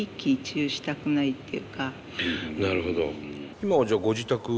今はじゃあご自宅。